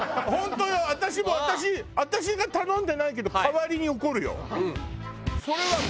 私も私私が頼んでないけど代わりに怒るよ。